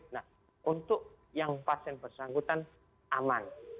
nah untuk yang pasien bersangkutan aman